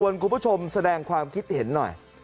คุณผู้ชมแสดงความคิดเห็นหน่อย